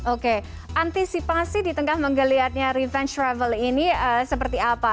oke antisipasi di tengah menggeliatnya revenge travel ini seperti apa